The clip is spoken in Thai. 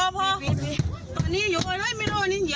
มีคนคนมาหมด